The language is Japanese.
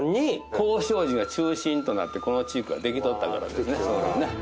興正寺が中心となってこの地域はできとったからですね。